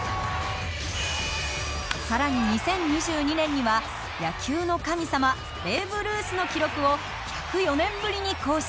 更に２０２２年には野球の神様ベーブ・ルースの記録を１０４年ぶりに更新。